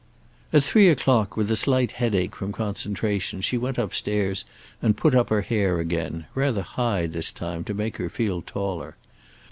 At three o'clock, with a slight headache from concentration, she went upstairs and put up her hair again; rather high this time to make her feel taller.